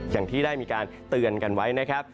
อย่างที่ได้มีการเตือนกันไว้นะครับ